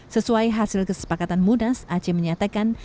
sesuai hasil kesepakatan munas aceh menyatakan